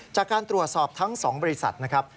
จากการตรวจสอบทั้ง๒บริษัทนะครับ